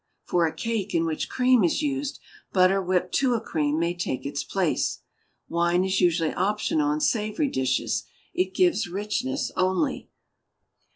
For a cake in which cream is used, butter whipped to a cream may take its place. Wine is usually optional in savory dishes; it gives richness only.